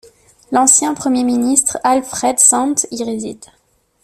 L'ancien premier ministre Alfred Sant y réside.